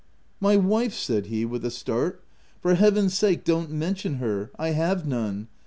" My wife !" said he, with a start. —" For Heaven's sake, don't mention her !— I have none.